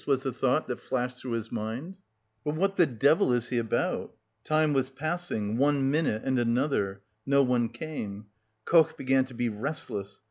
was the thought that flashed through his mind. "But what the devil is he about?..." Time was passing, one minute, and another no one came. Koch began to be restless.